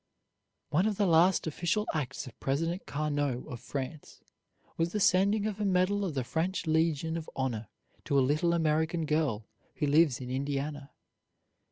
One of the last official acts of President Carnot, of France, was the sending of a medal of the French Legion of Honor to a little American girl who lives in Indiana.